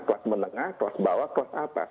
kelas menengah kelas bawah kelas atas